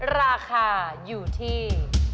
ราคาอยู่ที่